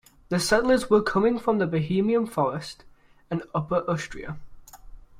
The settlers were coming from the Bohemian Forest and Upper Austria.